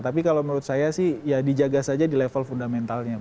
tapi kalau menurut saya sih ya dijaga saja di level fundamentalnya